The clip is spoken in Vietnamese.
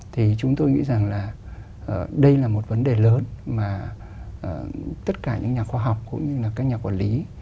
thì chúng tôi nghĩ rằng là đây là một vấn đề lớn mà tất cả những nhà khoa học cũng như là các nhà quản lý